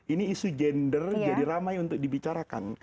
ini isu gender jadi ramai untuk dibicarakan